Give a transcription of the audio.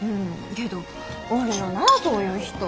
けどおるよなあそういう人。